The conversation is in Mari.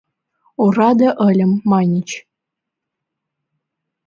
— Ораде ыльым, маньыч...